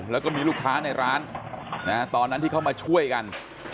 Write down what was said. แล้วก็มีลูกค้าในร้านตอนนั้นที่เข้ามาช่วยกัน